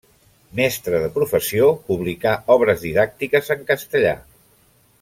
Mestre de professió, publicà obres didàctiques en castellà.